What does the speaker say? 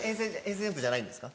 ＪＵＭＰじゃないんですか？